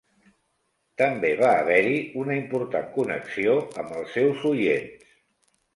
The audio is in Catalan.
També va haver-hi una important connexió amb els seus oients.